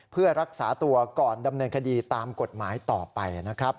เพื่อรักษาตัวก่อนดำเนินคดีตามกฎหมายต่อไปนะครับ